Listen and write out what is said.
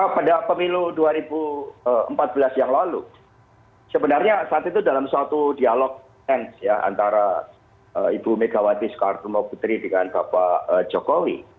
pada pemilu dua ribu empat belas yang lalu sebenarnya saat itu dalam suatu dialog antara ibu megawati soekarno putri dengan bapak jokowi